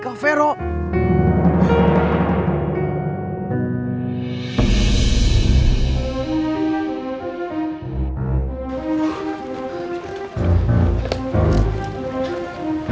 kak kak kak kak